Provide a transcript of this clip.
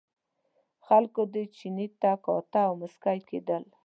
خلکو دې چیني ته کاته او مسکي کېدل.